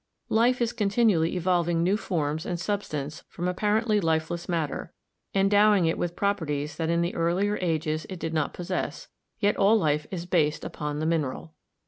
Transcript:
Life is con tinually evolving new forms and substance from apparent ly lifeless matter, endowing it with properties that in the earlier ages it did not possess, yet all life is based upon the mineral.